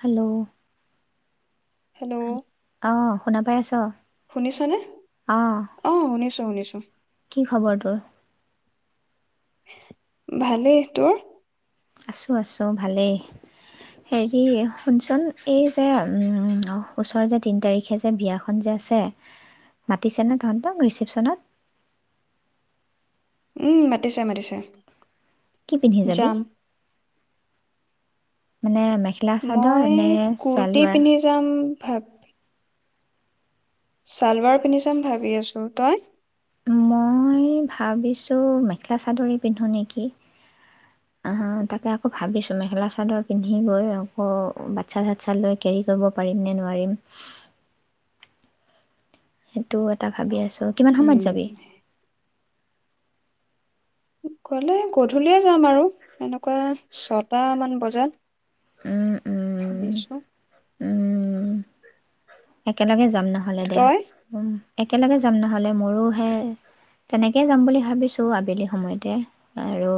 Hello hello আহ শুনা পাই আছ আহ। শুনিছোঁ। কি খবৰ তোৰ? ভালেই তোৰ। আছো আছো ভালেই, হেৰি শুনচোন এই যে ওচৰ তিন তাৰিখে যে বিয়াখন আছে, মাতিছেনেে তহতক ৰিচেপচনত উম, মতিছে মতিছে। কি পিন্ধি যাবি [inaudible] মানে মেখেলা চাদৰ মই নে কুৰ্্তি চেলৱাৰ পিন্ধি যাম [unintelligible] ভাৱ, ছালৱাৰ পিন্ধি চাম ভাবি আছো, তই? মই ভাবিছো, মেখেলা চাদৰে পিন্ধো নেকি অ তাকে আকৌ ভাবিছো মেখেলা চাদৰ পিন্ধি গৈ আকৌ বাচ্ছা চচ্ছা লৈ কেৰি কৰিব পাৰিম নে নোৱাৰিম। সেইটোও এটা ভাবি আছো। ত' কিমান সময়ত উম যাবি। গ'লে গধূলিয়ে যাম আৰু এনেকুৱা ছটা মান বজাত, ভাবিছো। উম একেলগে যাম নহ'লে দে তই? উম। একেলগে যাম নহ'লে মইয়ো সে তেনেকেই যাম বুলি ভাবিছো আবেলি সময়তে আৰু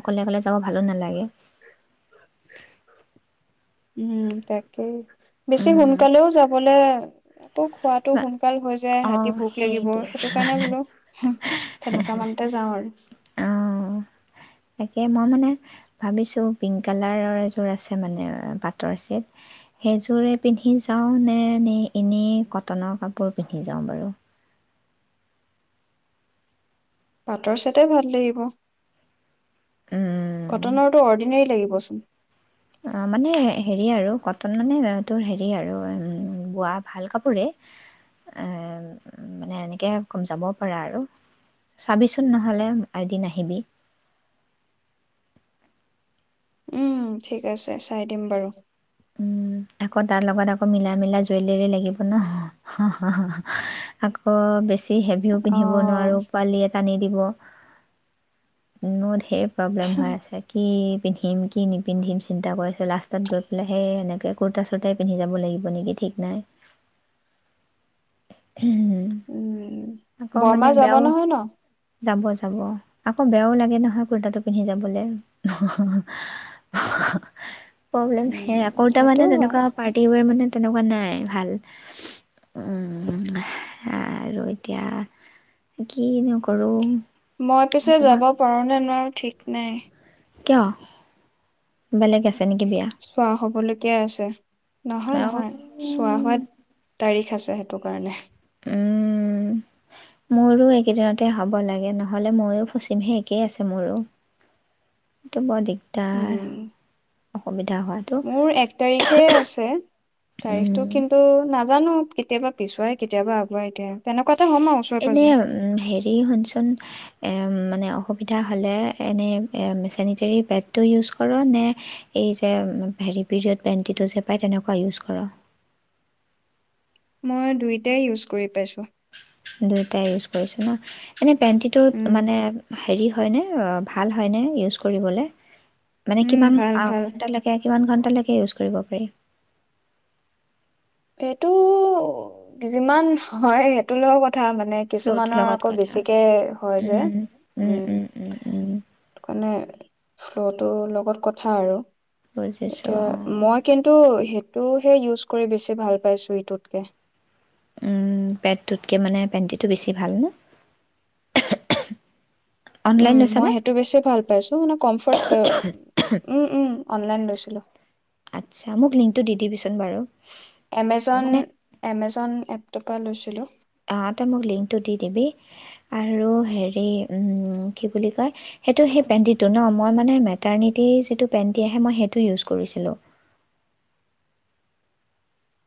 অকলে অকলে যাব ভালো নালাগে। উম তাকেই। বেছি সোনকালেও যাবলৈ হয় আকৌ খোৱাতটো সোনকাল হৈ যায় অঁ ৰাতি ভোক লাগিব সেইটোৱে সেইটো কাৰণে বোলো তেনেকুৱা মানতে যাওঁ আৰু। অঁ তাকে মই মানে ভাবিছো পিংক কালাৰৰ এযোৰ আছে মানে পাটৰ চিট সেইযোৰে পিন্ধি যাও নে ন এনে কট কটনৰ কাপোৰ পিন্ধি যাওঁ বাৰু। পাটৰ চেটে ভাল লাগিব। উম, কটনৰতটো অৰ্ডিনেৰিী লাগিব [unintelligible] চ অ মানে হেৰি আৰু কটন মানে তোৰ হেৰি আৰু বোৱা ভাল কাপোৰে এ মানে এনেকে যাব পাৰা আৰু চাবিচোন নহ'লে এদিন আহিবি [unintelligible] উম ঠিক আছে চাই দিম বাৰু, উম আকৌ তাৰ লগত আকৌ মিলা মিলা জুৱেলৰী লাগিব ন আকৌ বেছি [unintelligible] বেছি হেভিও পিন্ধিব অ', নোৱাৰোঁ পোৱালি এ টানি দিব। মোৰ ধেৰ প্ৰব্লেম হৈ আছে কি পিন্ধিম, কি নিপিন্ধিম, চিন্তা কৰিছে লাষ্টত গৈ াহে এনেকে কুৰ্তা চুৰ্তাই পিন্ধি যাব লাগিব নেকি ঠিক নাই [unintelligible] উম, [unintelligible] মানে বৰমা যাব বেয়াও নহয় ন'। যাব যাব আকৌ বেয়াও লাগে নহয় কুৰ্তাটো পিন্ধি যাবলৈ প্ৰব্লেম উম, সেই কুৰ্তা সেইটো মানে হয়। তেনেকুৱা পাৰ্টি ওৱেৰ মানে তেনেকুৱা নাই ভাল। উম, উম আৰু এতিয়া কি নো কৰোঁ। মই পিছে যাব পাৰো নে নোৱাৰো [inaudible] ঠিক নাই। কিয়? বেলেগ আছে নেকি বিয়া ঠিকে আছে নহয় আৰু নহয় চোৱা হাত তাৰিখ বিষ আছে সেইটো কাৰণে উম মোৰো এইকেইদিনতে হ'ব লাগে নহ'লে মইয়ো ফচিমহে একেই আছে মোৰো এইটো বৰ দিগ উম অসমীয়া মোৰ এক তাৰিখে আছে তাৰিখটো উম, কিন্তু নাজানো কেতিয়াবা পিছুৱাই কেতিয়াবা আগুৱাই এতিয়া এনে উম হেৰি শুনচোন এ অ অসুবিধা হ'লে এনে মিছেনিজেৰী পেডটো ইউজ কৰ নে এই যে ভেলিস্পৰ পেন্টিটো যে পাই তেনেকুৱা ইউজ কৰ মই দুইটাই ইউজ কৰি পাইছোঁ দুয়োটাই ইউজ কৰিছ ন এনে পেণ্টিটো উম, মানে হেৰি হয়নে ভাল হয়নে ইউজ কৰিবলৈ মানে উম, কিমান ভাল আ ভাল। ঘন্টা লাগে কিমান ঘ টা লৈকে ইউজ কৰিব পাৰি এইটো যিমান হয় সেইটো লগ কথা তাৰ মানে ফ্ল'টোৰ কিছুমানৰ লগত আকৌ কথা বেছিকে হয় যে উম মানে ফ্ল'টো লগত কথা আৰু। বুজিছোঁ এতিয়া অঁ মই কিন্তু সেই টো সে ইউজ কৰিছ ভাল পায় চুইটুতকে উ পেটটোতকে মানে পেণ্টিটো বেছি ভালনে উ মই সেইটো বেছি ভাল পাইছো মানে উ কমফট উম উম অনলাইন লৈছো দ [unintelligible] আচ্ছা মোক লিংকটো দি দিবিচোন বাৰু এমেজন মানে এমেজন এপ টকা লৈছিলো আহ তই মোক লিংকটো দি দিবি আৰু হেৰি কি বুলি কয় সেইটো সেই পেন্টিটো ন মই মানে মটাৰটি যিটো পেন্টি আহে মই সেইটো ইউজ কৰিছিলো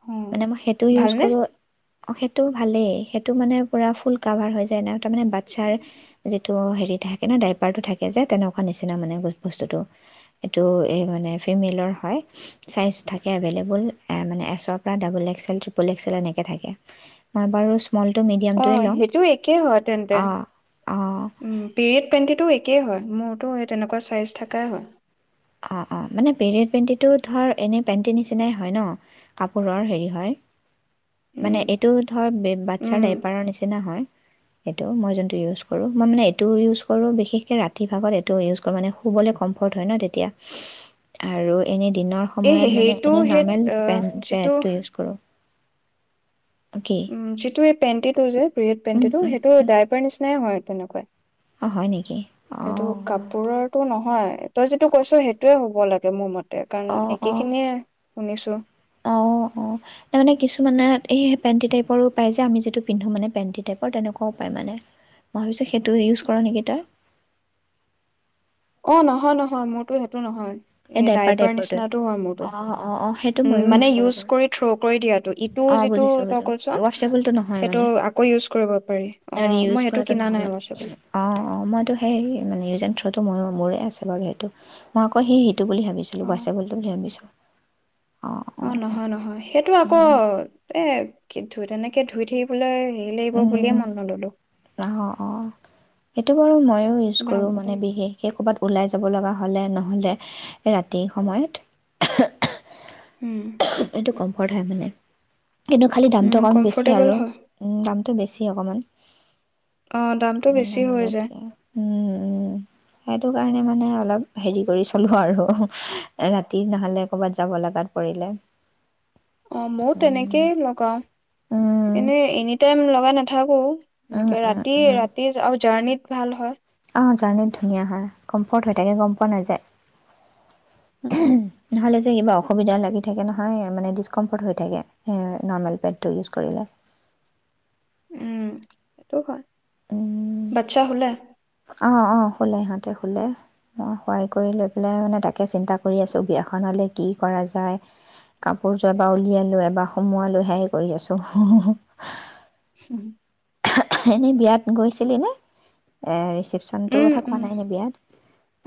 অ মানে মই সেইটো ইউজ ভালনে কৰোঁ অঁ সেইটো ভালেই সেইটো মানে পূৰা ফুল কাভাৰ হৈ যায় এনে তাৰমানানে বাচ্ছাৰ যিটো হেৰি থাকে ন ডাইপাৰটো থাকে যে তেনেকুৱা নিচিনা মানে বস্তুটো এইটো এই মানে ফিমেলৰ হয় চাইজ থাকে এভেইলেবল মানে এচপ পোৰা ডাবল্ এস্কচেল তিপোল এস্কচেল এনেকে থাকে মই বাৰু স্মলটো অ মিডিয়ামটোৱে লওঁ সেইটো একেই হয় তেন্তে অঁ অঁ উ পিৰিয়ড পেন্টিটো একেই হয় মোৰতো সে তেনেকুৱা চাইজ থাকাই হয় অ অ মানে পেৰিয়ড পেণ্টিটো ধৰ এনে পেণ্টি নিচিনাই হয় ন কাপোৰৰ হেৰি হয় উম মানে এইটো হয় বাচ্ছা উম ড্ৰাইপাৰৰ নিচিনা হয় এইটো মই যোনটো ইউজ কৰো, মই মানে এইটো ইউজ কৰো বিশেষকে ৰাতি ভাগত এইটো ইউজ কৰো মানে শুবলৈ কম্ফৰ্ট হয় ন এতিয়া আৰু এনে দিনৰ এই সময়ত মানে হেৰিটো এনে সেই নৰ্মেল পে আহ যিটো পেদটো ইউজ কৰোঁ কি উম যিটো এই পেণ্টিটো যে পিৰেড পেণ্টিটো সেইটো ড্ৰাইপাৰ নিচিনাই হয় তেনেকুৱাই অঁ হয় নেকি এইটো অঁ কাপোৰৰটো নহয় হয় তই যিটো কৈছো সেইটোয়ে হ'ব লাগে মোৰ মত কাৰণ অঁ একে অঁ খিনিয়ে শুনিছো অ', অ', তাৰমানে কিছুমানত এই পেণ্টি টাইৰো পায় যে আমি যিটো পিন্ধোঁ মানে পেণ্টি টাইপৰ তেনেকুৱাও পায় মানে মই ভাবিছোঁ সেইটো ইউজ কৰ নেকি তই অ নহয় নহয় মোৰতো সেইটো নহয় এই এ ডাইপাৰ টাইপৰটোৱে। নিচিনাতটো হয় মোৰতো, অ', অ', অ', সেইটো উম ময়ো মানে কৰোঁ ইউজ বাৰু কৰি থ্ৰ' কৰি দিয়াত অ বুজিছো বুজু, ওৱাছেবুলটো নহয় সেইটো মানে, আকৌ ইউজ কৰিব পাৰি অ এয়া ইউজ মই সেইটো কৰাটো কিনা নহয় নাই বাৰু চাবলে মানে অ অ মইটো সেই মানে ইউজেন মই মোৰে আছে আৰু সেইটো মই আকৌ সেই টো বুলি ভাবিছিলোঁ, অ ৱাছেবলটো ভাবিছোঁ অ নহয় নহয় সেইটো আ। ক উম, এ কে তেনেকে ধুই থাকিবলৈ হেৰি লাগিব উম, বুলিয়ে মন নললো। অ', অ'। সেইটো বাৰু মই ইউজ ভাল কৰো মানে নালাগে বিশেষকে ক'বাত ওলাই জাব লগা হলে নহলে ৰাতি সময়ত উম এইটো কম্ফৰ্ট হয় মানে কিন্তু খালি উম দামটো অকণ বেছি কমফৰ্টেবল আৰু হয় উ দাম টো বেছি অকণমান অ দামটো এনে বেছি হৈ যায় নৰ্মেলতকৈ সেইটো কাৰণে মানে অলপ হেৰি কৰি চলো আৰু ৰাতি নহ'লে ক'ৰবাত যাব লগাত পৰিলে অ মই তেনেকেই লগাও এনে এনি টাইম লগাই ন- থাকো এনেকে ৰাতি ৰাতি আৰু জাৰ্ণিত ভাল হয়। অঁ জাৰ্ণিত ধুনীয়া হয় কমফৰ্ট হৈ থাকে গম পোৱা নাযায় উম নহ'লে এ কিবা অসুবিধা লাগি থাকে নহয় মানে ডিছকম্ফৰ্ত হৈ থাকে নৰমেল পেণ্টটো ইউচ কৰিলে। উম, সেইটো হয়। বাচ্চা শুলা। অ', অ', শুলে, সিহঁতে শুলে মই সহায় কৰি লৈ পেলাই মানে তাকে চিন্তা কৰি আছোঁ বিয়াখন হ'লে কি কৰা যায় কাপোৰযোৰ এবাৰ উলিয়ালোঁ এবাৰ সোমোৱালো সেইয়াই কৰি আছোঁ। উম। এনেই বিয়াত গৈছিলি নে এ [unintelligible] উম টোৰকথা উম কোৱা নাই নে বিয়াত?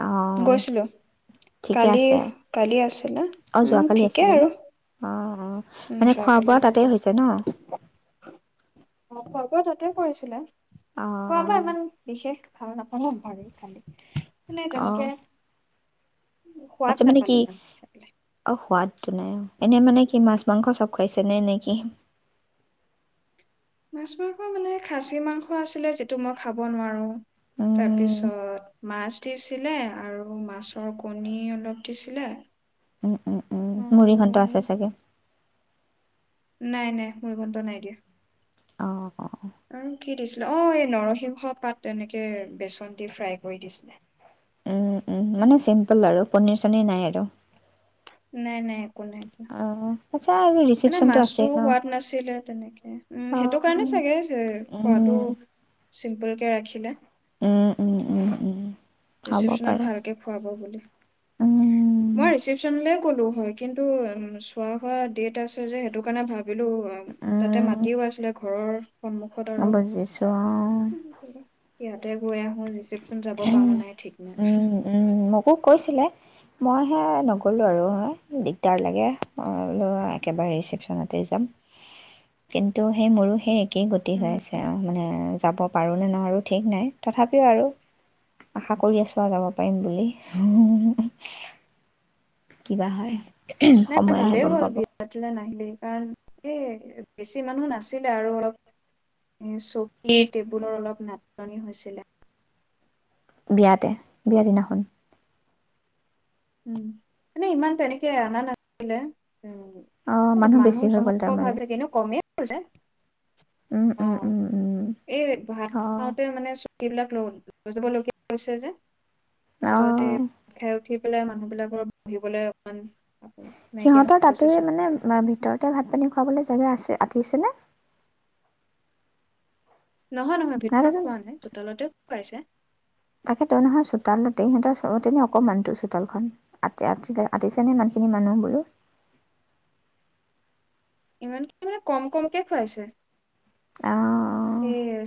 অঁ গৈছিলো ঠিকে কালি, আছে কালি আছিলা উম, ঠিকে আৰু। অ', উম মানে যোৱাকালি খোৱা-বোৱা হৈ তাতে গ'ল হৈছে ন'? ততে কৰিছিলে। অঁ খোৱা-বোৱা অঁ ইমান বিশেষ [unintelligible] কুনাই অঁ তেনেকে সোৱাদ আচ্ছা মানে নাপালো কি খাই পেলাই অ', সোৱাদটো নাই। এনেই মানে কি মাছ'মাংস চব খাইছে নে নেকি। মাছ-মাংস মানে খাছী মাংস আছিলে যিটো মই খাব নোৱাৰোঁ। উম, তাৰপিছত মাছ দিছিলে আৰু মাছৰ কণী অলপ দিছিলে। উম, উম, উম মুড়ি আৰু ঘণ্টা আছে চাগে। নাই, নাই মুৰি ঘণ্টা নাই দিয়া। অহ। আৰু কি দিছিলে অ', এই নৰসিংহ পাত এনেকে বেচন দি ফ্ৰাই কৰি দিছিলে। উম, উম, মানে চিম্পুল আৰু পনিৰ চনিৰ নাই আৰু। নাই, নাই। কো নাই পোৱা। অ', আচ্ছা আৰু মানে ৰিচিপচনটো মাছো আছেই ন? সোৱাদ নাছিলে তেনেকে উম, সেইটো কাৰণে অ', চাগে যে সোৱাদো উম, চিম্পুল কে ৰাখিলে। উম, উম, উম, উম। খাব ৰিছিপচনত পাৰে, ভালকে খুৱাব বোলে উম, মই ৰিচিপচন কলো হয় কিন্তু উম চোৱা হোৱা ডেট আছে যে সেইটো কাৰণে ভাবিলো- তাতে মাতিও আছিলে। ঘৰৰ সন্মুখত আ আৰু বোজিছো আও। ইয়াতে গৈ মোৰ ৰিচেপশচন যাব পাও নে নাই নাই উম উম মোকো কৈছিলে মইহে নগ'লো আৰু দিগদাৰ লাগে একেবাৰে ৰিচেপচনতে যাম কিন্তু সেই মোৰো হেই কি গতি হৈ উম আছে আৰু মানে যাব পাৰোঁনে নোৱাৰো ঠিক নাই তথাপ স আৰু আশা কৰি আছো আও যাব পাৰিম বুলি [inaudible] কিবা হয় নাই সময়হে ভালেই গম হ'ল পাব বিয়াটোলে নাহিলেই কাৰণ এই বেছি মানুহ নাছিলে আৰু অলপ এ চকী টেবুলৰ অলপ নাটনি হৈছিলে বিয়াতে বিয়া দিনাখন উম এনেই ইমান তেনেকে অনা নাছিলে উ অঁ মানুহ বেছি হৈ গ'ল কমাব তাৰমানে ভাবছে অঁ কিন্তু কমেই ভল যে অ এই ভাত খাওঁতে মানে সেইবিলাক ল লৈ যাব লগীয়া হৈছে যে সতে অঁ উ খাই উঠি পেলাই মানুহবিলাকৰ বহিবলৈ অকমান আপোন নাইকিয়া হৈ সিহতৰ গৈছে তাতে চকী আৰু মানে ভিতৰতে ভাত পানী খুৱাবলৈ জেগা আছে আতিছেনে নহয় নহয় ভিতৰত সিহঁততো খোৱা নাই চোতালতে কাইছে তাকে তই নহয় চোতাল ততেই সিহঁতৰ তেনে অকণমানটোৰ চোতালখন আ আতিছে নে ইমানখিনি মানুহ বোৰো ইমান কি মানে কম কমকে খুৱাইছে অ অ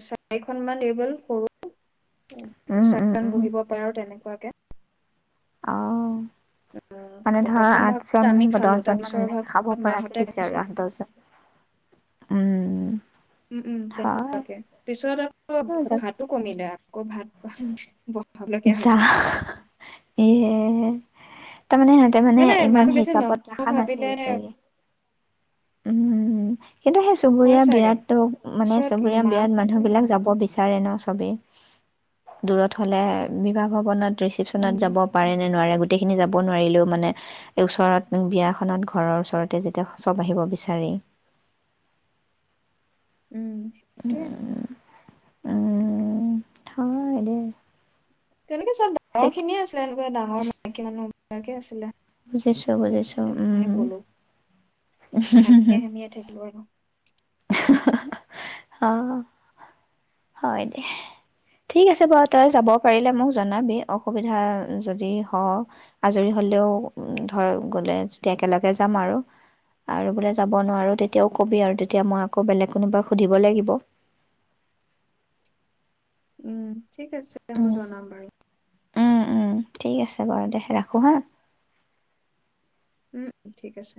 চাৰিখন মান এইবল সৰু অঁ চান বহিব পাৰে আৰু তেনেকে পাকে অঁ মানে ধৰ প্ৰথম ভাগত আঠজন আমি বা খালো তাৰ দহজনমান পিছৰ এনেকৈ খাব ভাগত পৰাকৈ মাহতে দিছে আৰু খাইছে আঠ দহজন উম। উ উম হয় তেনেকুৱাকে পিছত হৈ আকৌ যাক ভাতো কমিলে ভাত প ব জা সয়ে [inaudible] তাৰমানে সিহঁতে মানে মানুহ ইমান বেছি হিচাপত নহ'ব ৰখা ভাবিলে নাছিল চাগে উম কিন্তু সেই হয় চুবুৰীয়া চাগে বিয়াতো মানে পিছত চুবুৰীয়া মা বিয়াত মানুহ বিলাক যাব বিচ বিচাৰে ন চবেই দূৰত হলে বিবাহ ভৱনত ৰেচিপশ্যনত উম যাব পাৰে নে নোৱাৰে গোটেইখিনি যাব নোৱাৰিলেও মানে এই ওচৰত বিয়াখনত ঘৰৰ ওচৰতে যেতিয়া চব আহিব বিচাৰে উম সেইটোৱে উম। উম, থয়, দে। তেওঁলোকে চব ডাঙৰ ঠিক খিনিয়ে আছিলে, এনেকুৱা ডাঙৰ মাইকি মানুহ। [unintelligible] কে আছিলে। বুজিছোঁ, বুজিছোঁ। নাছিলে মইহে উম। গ'লো হামিয়াই হামিয়াই থাকিলো আৰু অ', হয় দে। ঠিক আছে বাৰু তই যাব পাৰিলে মোক জনাবি, অসুবিধা যদি হ, আজৰি হ'লেও ধৰ, গ'লে যদি একেলগে যাম আৰু। আৰু বোলে যাব নোৱাৰো তেতিয়াও ক'বি আৰু তেতি এতিয়া মই আকৌ বেলেগ কোনোবাক সুধিব লাগিব। উম। ঠিক আছে দে, মই উম জনাম বাৰু। উম উম ঠিক আছে বাৰু দে, ৰাখো হা! উম, ঠিক আছে।